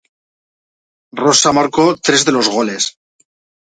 Rosa marcó tres de los goles.